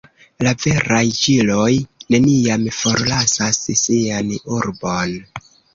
La veraj ĵiloj neniam forlasas sian urbon.